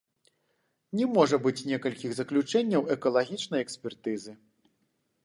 Не можа быць некалькіх заключэнняў экалагічнай экспертызы.